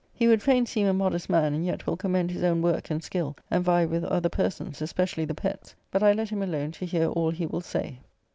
He would fain seem a modest man, and yet will commend his own work and skill, and vie with other persons, especially the Petts, but I let him alone to hear all he will say.